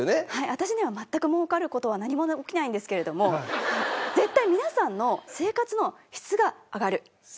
私には全くもうかる事は起きないんですけれども絶対皆さんの生活の質が一歩上がる。